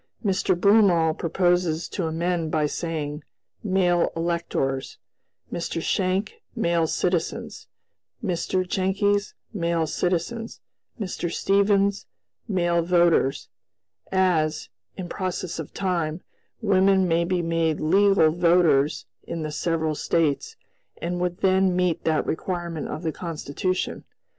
"Mr. Broomall proposes to amend by saying, 'male electors'; Mr. Schenck,'male citizens'; Mr. Jenckes, 'male citizens'; Mr. Stevens, 'male voters,' as, in process of time, women may be made 'legal voters' in the several States, and would then meet that requirement of the Constitution.